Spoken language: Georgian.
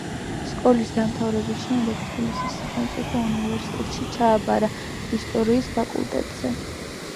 სკოლის დამთავრების შემდეგ თბილისის სახელმწიფო უნივერსიტეტში ჩააბარა ისტორიის ფაკულტეტზე